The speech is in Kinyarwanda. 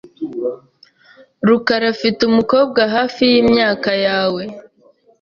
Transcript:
rukara afite umukobwa hafi yimyaka yawe .